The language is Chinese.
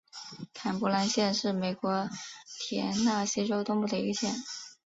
坎伯兰县是美国田纳西州东部的一个县。